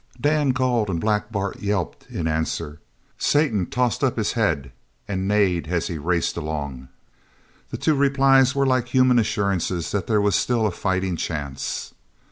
Dan called and Black Bart yelped in answer. Satan tossed up his head and neighed as he raced along. The two replies were like human assurances that there was still a fighting chance.